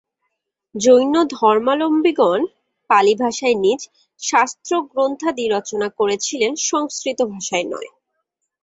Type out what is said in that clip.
জৈনধর্মাবলম্বিগণ পালিভাষায় নিজ শাস্ত্রগ্রন্থাদি রচনা করেছিল, সংস্কৃত ভাষায় নয়।